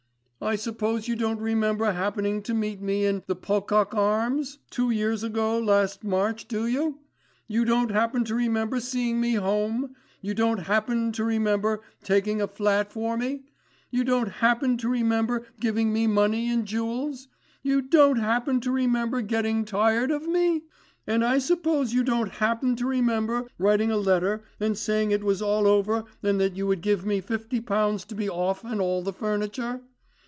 I suppose you don't remember happening to meet me in "The Pocock Arms" two years ago last March do you? You don't happen to remember seeing me home. You don't happen to remember taking a flat for me. You don't happen to remember giving me money and jewels. You don't happen to remember getting tired of me? And I suppose you don't happen to remember writing a letter and saying that it was all over and that you would give me fifty pounds to be off and all the furniture.